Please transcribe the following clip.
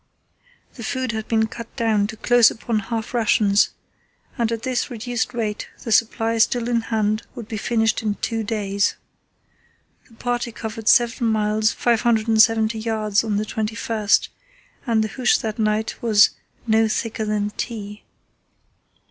The food had been cut down to close upon half rations, and at this reduced rate the supply still in hand would be finished in two days. The party covered 7 miles 570 yds. on the 21st, and the hoosh that night was "no thicker than tea."